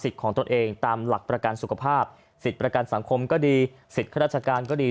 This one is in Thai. ของตนเองตามหลักประกันสุขภาพสิทธิ์ประกันสังคมก็ดีสิทธิ์ข้าราชการก็ดี